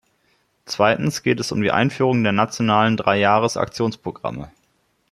Zweitens geht es um die Einführung der nationalen Dreijahres-Aktionsprogramme.